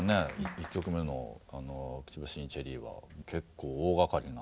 １曲目の「くちばしにチェリー」は結構大がかりな。